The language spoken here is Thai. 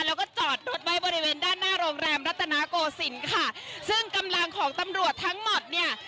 แล้วก็จอดรถไว้บริเวณด้านหน้าโรงแรมรัตนาโกศิลป์ค่ะซึ่งกำลังของตำรวจทั้งหมดเนี่ย